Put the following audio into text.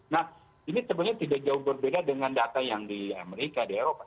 nah ini sebenarnya tidak jauh berbeda dengan data yang di amerika di eropa